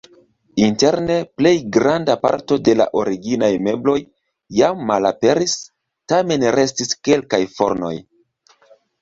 Interne plej granda parto de la originaj mebloj jam malaperis, tamen restis kelkaj fornoj.